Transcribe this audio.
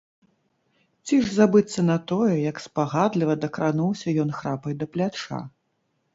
Ці ж забыцца на тое, як спагадліва дакрануўся ён храпай да пляча?!